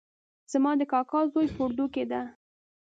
زما د کاکا زوی په اردو کې ده